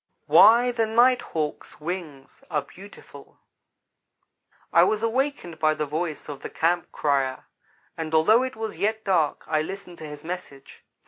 Ho!" WHY THE NIGHT HAWK'S WINGS ARE BEAUTIFUL I WAS awakened by the voice of the campcrier, and although it was yet dark I listened to his message.